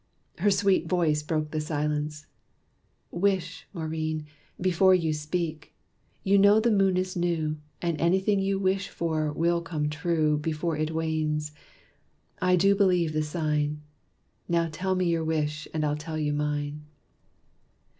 Her sweet voice broke the silence: "Wish, Maurine, Before you speak! you know the moon is new, And anything you wish for will come true Before it wanes. I do believe the sign! Now tell me your wish, and I'll tell you mine."